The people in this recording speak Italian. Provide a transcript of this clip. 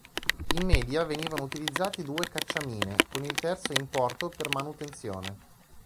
In media venivano utilizzati due cacciamine, con il terzo in porto per manutenzione.